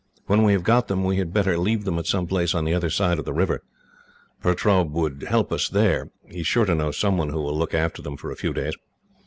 When we have got them, we had better leave them at some place on the other side of the river. Pertaub would help us, there. He is sure to know someone who will look after them for a few days.